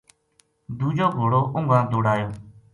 دوجو گھوڑو اُنگا دوڑایو